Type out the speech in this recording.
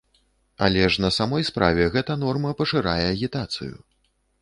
Але ж на самой справе гэта норма пашырае агітацыю!